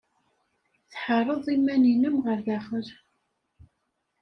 Tḥeṛṛed iman-nnem ɣer daxel.